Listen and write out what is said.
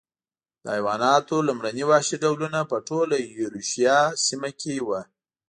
د حیواناتو لومړني وحشي ډولونه په ټوله ایرویشیا سیمه کې و.